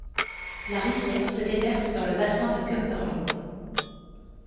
La rivière se déverse dans le bassin de Cumberland.